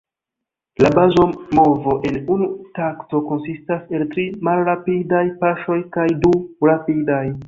La baza movo en unu takto konsistas el tri malrapidaj paŝoj kaj du rapidaj.